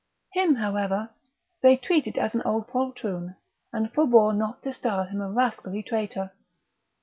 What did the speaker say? Him, however, they treated as an old poltroon, and forbore not to style him a rascally traitor.